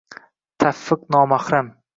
tavfiq nomahram!